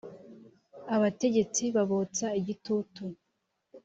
abategetsi babotsa igitutu